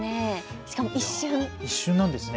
しかも一瞬なんですね。